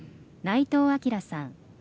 内藤明さん